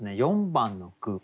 ４番の句。